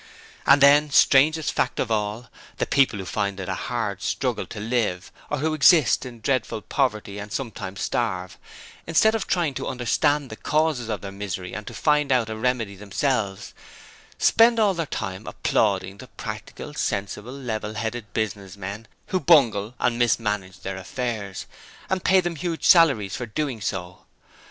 And then, strangest fact of all, the people who find it a hard struggle to live, or who exist in dreadful poverty and sometimes starve, instead of trying to understand the causes of their misery and to find out a remedy themselves, spend all their time applauding the Practical, Sensible, Level headed Business men, who bungle and mismanage their affairs, and pay them huge salaries for doing so.